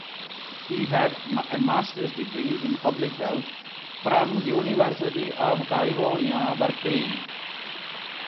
He had a master's degree in public health from the University of California, Berkeley.